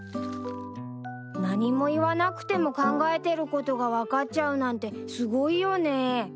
何も言わなくても考えてることが分かっちゃうなんてすごいよね。